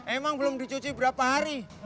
emang belum dicuci berapa hari